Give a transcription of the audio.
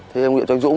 thế em gọi cho anh dũng